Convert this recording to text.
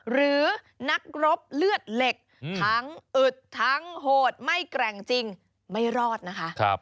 หรือนักรบเลือดเหล็กทั้งอึดทั้งโหดไม่แกร่งจริงไม่รอดนะคะ